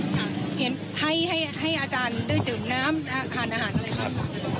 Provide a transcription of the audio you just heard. เห็นให้อาจารย์ได้ดื่มน้ำทานอาหารอะไรบ้าง